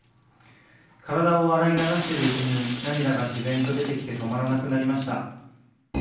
体を洗い流しているうちに涙が自然と出てきて止まらなくなりました。